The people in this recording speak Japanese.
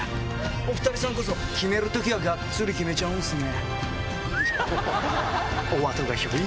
お２人さんこそキメる時はがっつりキメちゃうんすね。